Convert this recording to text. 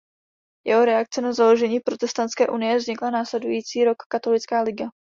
Jako reakci na založení Protestantské unie vznikla následující rok Katolická liga.